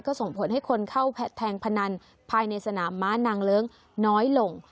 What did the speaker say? ส่งผลให้คนเข้าแทงพนันภายในสนามม้านางเลิ้งน้อยลง